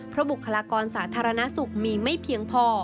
เพราะบุคลากรสาธารณสุขมีไม่เพียงพอ